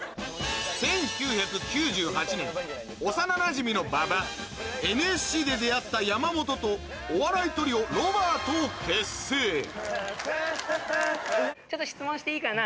１９９８年幼なじみの馬場ＮＳＣで出会った山本とお笑いトリオロバートを結成ちょっと質問していいかな？